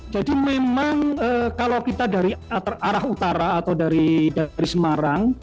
jadi memang kalau kita dari arah utara atau dari semarang